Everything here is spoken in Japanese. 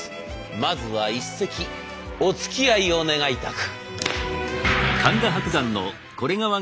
まずは一席おつきあいを願いたく。